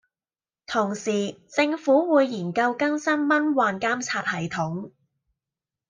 同時，政府會研究更新蚊患監察系統